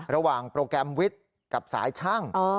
ระหว่างโปรแกรมวิทย์กับสายช่าง